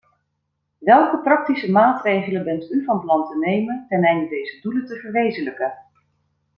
Welke praktische maatregelen bent u van plan te nemen teneinde deze doelen te verwezenlijken?